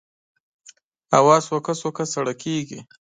هوا سوکه سوکه سړه کېږي